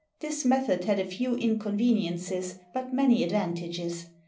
This method had a few incon veniences, but many advantages.